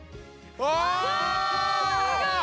うわすごい！